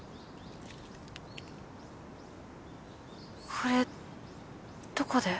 これどこで？